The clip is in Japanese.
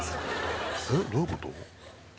えっどういうこと？